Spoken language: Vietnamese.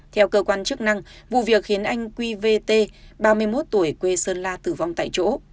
theo cơ quan chức năng vụ việc khiến anh qvt ba mươi một tuổi quê sơn la tử vong tại chỗ